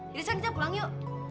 jadi sekarang kita pulang yuk